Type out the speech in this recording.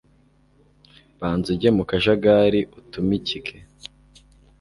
banza ujye mu kajagari utumikike